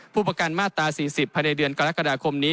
ผู้ประกันมาตรา๔๐ภายในเดือนกรกฎาคมนี้